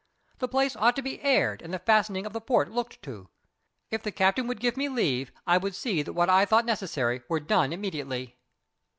The place ought to be aired and the fastening of the port looked to. If the captain would give me leave, I would see that what I thought necessary were done immediately.